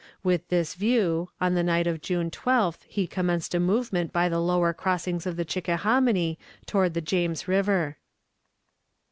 With this view, on the night of June 12th he commenced a movement by the lower crossings of the Chickahominy toward the James River.